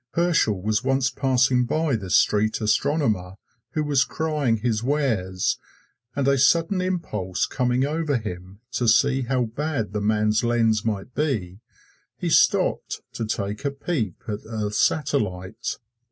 Herschel was once passing by this street astronomer, who was crying his wares, and a sudden impulse coming over him to see how bad the man's lens might be, he stopped to take a peep at Earth's satellite.